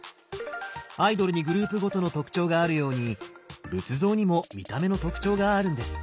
アイドルにグループごとの特徴があるように仏像にも見た目の特徴があるんです。